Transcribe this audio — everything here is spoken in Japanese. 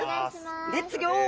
レッツギョー！